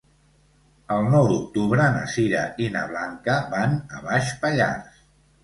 El nou d'octubre na Sira i na Blanca van a Baix Pallars.